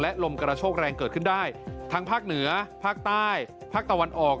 ลมกระโชคแรงเกิดขึ้นได้ทั้งภาคเหนือภาคใต้ภาคตะวันออก